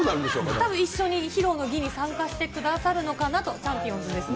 たぶん、一緒に披露の儀に参加してくださるのかなと、ちゃんぴおんずですね。